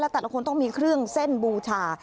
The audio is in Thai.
แต่ละคนต้องมีเครื่องเส้นบูชา